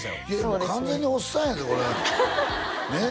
もう完全におっさんやでこれねっ？